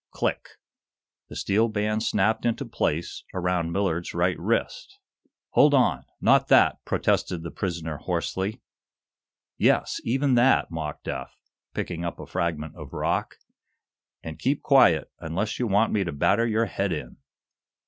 Click! The steel band snapped into place around Millard's right wrist. "Hold on not that!" protested the prisoner, hoarsely. "Yes; even that!" mocked Eph, picking up a fragment of rock. "And keep quiet, unless you want me to batter your head in!"